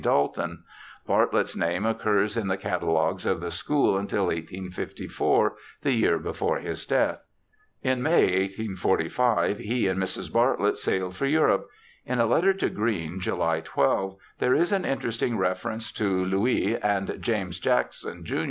Dalton. Bartlett's name occurs in the catalogues of the school until 1854, the year before his death. ELISHA BARTLETT 123 In May, 1845, he and Mrs. Bartlett sailed for Europe. In a letter to Green, July 12, there is an interesting reference to Louis and James Jackson, jun.